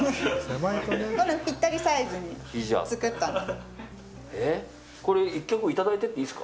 ぴったりサイズに作ったの。